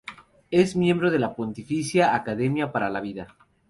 Es miembro de la Pontificia Academia para la Vida.